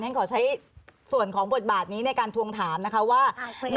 ฉันขอใช้ส่วนของบทบาทนี้ในการทวงถามนะคะว่า